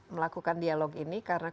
melakukan dialog ini karena